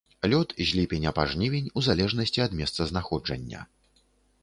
Лёт з ліпеня па жнівень у залежнасці ад месцазнаходжання.